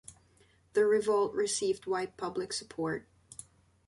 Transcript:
The revolt received wide public support.